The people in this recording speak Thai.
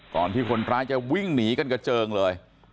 ที่คนร้ายจะวิ่งหนีกันกระเจิงเลย